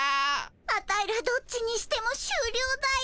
アタイらどっちにしてもしゅうりょうだよ。